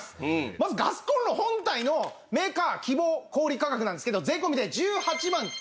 まずガスコンロ本体のメーカー希望小売価格なんですけど税込で１８万９５０円します。